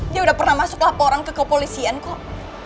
dia udah pernah masuk laporan ke kepolisian kok